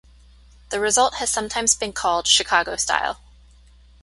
The result has sometimes been called "Chicago Style".